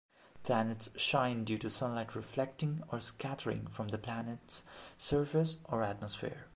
Planets shine due to sunlight reflecting or scattering from the planets surface or atmosphere.